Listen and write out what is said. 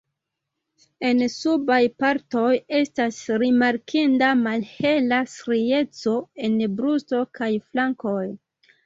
En subaj partoj estas rimarkinda malhela strieco en brusto kaj flankoj.